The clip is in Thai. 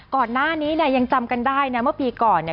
ก่อนหน้านี้ยังจำกันได้นะเมื่อปีก่อน